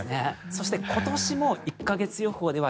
そして今年も、１か月予報では